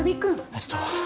えっと。